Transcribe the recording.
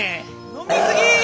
飲み過ぎ！